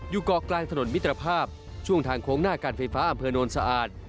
เกาะกลางถนนมิตรภาพช่วงทางโค้งหน้าการไฟฟ้าอำเภอโนนสะอาด